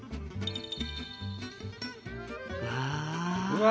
うわ。